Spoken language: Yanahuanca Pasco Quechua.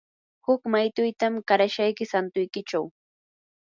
huk maytutam qarashayki santuykichaw.